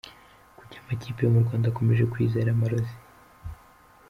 Kuki amakipe yo mu Rwanda akomeje kwizera amarozi?.